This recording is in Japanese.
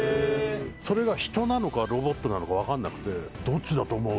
それが人なのかロボットなのかわかんなくて「どっちだと思う？」